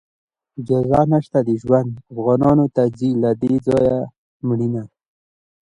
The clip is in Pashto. اجازت نشته د ژوند، افغانانو ته ځي له دې ځایه مړینه